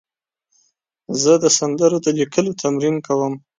زه د سندرو د لیکلو تمرین کوم.